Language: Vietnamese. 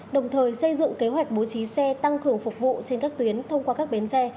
đồng thời xây dựng kế hoạch bố trí xe tăng cường phục vụ trên các tuyến thông qua các bến xe